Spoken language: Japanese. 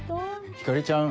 ひかりちゃん